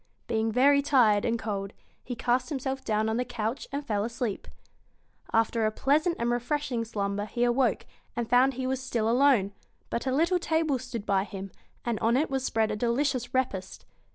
Being very tired and cold, he cast himself down on the couch and fell asleep. After a pleasant and refreshing slumber he awoke, and found he was still alone; but a little table stood by him, and on it was spread a delicious repast.